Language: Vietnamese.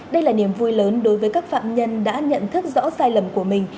đây là niềm vui lớn đối với các phạm nhân đã nhận thức rõ sai lầm của mình